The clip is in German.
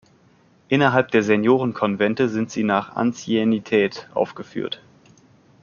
Innerhalb der Senioren-Convente sind sie nach Anciennität aufgeführt.